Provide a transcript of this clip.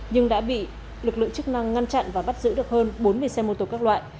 nhưng đã bị lực lượng chức năng ngăn chặn và bắt giữ được hơn bốn mươi xe mô tô các loại